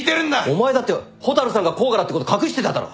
お前だって蛍さんが甲賀だってこと隠してただろ。